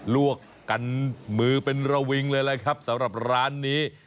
ลวกกันมือเป็นระวิงเลยแหละครับสำหรับร้านนี้